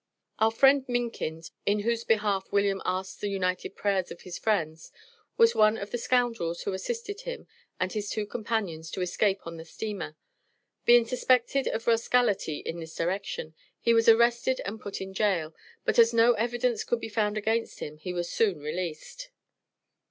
"Our friend Minkins," in whose behalf William asks the united prayers of his friends, was one of the "scoundrels" who assisted him and his two companions to escape on the steamer. Being suspected of "rascality" in this direction, he was arrested and put in jail, but as no evidence could be found against him he was soon released.